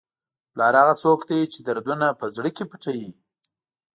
پلار هغه څوک دی چې دردونه په زړه کې پټوي.